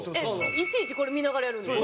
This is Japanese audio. いちいちこれ見ながらやるんですか？